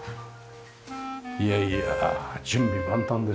いやいや準備万端ですよね。